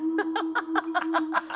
ハハハハ！